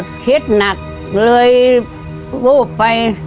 ยายก็คิดหนักเลยลูบไป